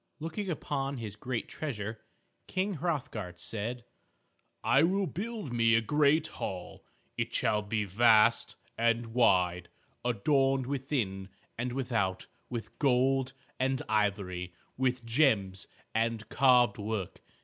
Looking upon his great treasure, King Hrothgar said, "I will build me a great hall. It shall be vast and wide, adorned within and without with gold and ivory, with gems and carved work.